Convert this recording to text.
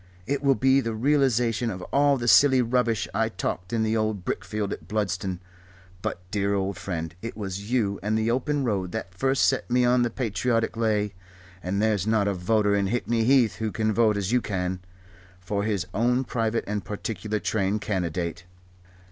It will be the realization of all the silly rubbish I talked in the old brickfield at Bludston. But, dear old friend, it was you and the open road that first set me on the patriotic lay, and there's not a voter in Hickney Heath who can vote as you can for his own private and particular trained candidate."